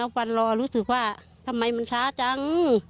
นับวันนรอแล้วรู้สึกว่าทำไมมันช้าจัง